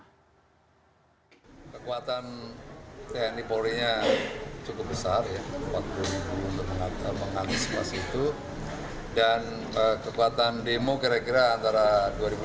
kekuatan tni polri nya cukup besar ya waktu untuk mengatasi pas itu